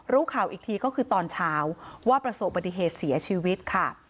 รู้ข่าวอีกทีก็คือตอนเช้าว่าประสบปฏิเหตุเสียชีวิตค่ะ